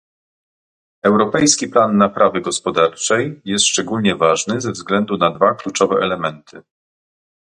Europejski plan naprawy gospodarczej jest szczególnie ważny ze względu na dwa kluczowe elementy